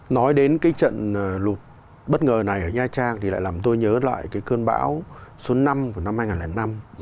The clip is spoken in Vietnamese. nói đến cái trận lụt bất ngờ này ở nha trang thì lại làm tôi nhớ lại cái cơn bão số năm của năm hai nghìn năm